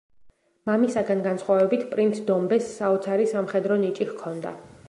მამისაგან განსხვავებით, პრინც დომბეს საოცარი სამხედრო ნიჭი ჰქონდა.